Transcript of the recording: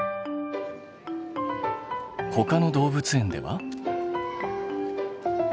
ほかの動物園では？